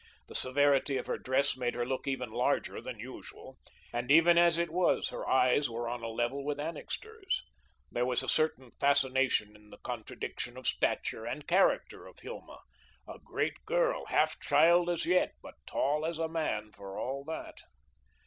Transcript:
The severity of her dress made her look even larger than usual, and even as it was her eyes were on a level with Annixter's. There was a certain fascination in the contradiction of stature and character of Hilma a great girl, half child as yet, but tall as a man for all that.